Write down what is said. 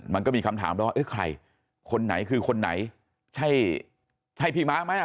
มันก็มีคำถามแล้วว่าเอ๊ะใครคนไหนคือคนไหนใช่ใช่พี่ม้าไหมอ่ะ